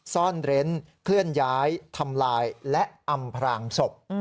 ซ่อนเร้นเคลื่อนย้ายทำลายและอำพรางศพ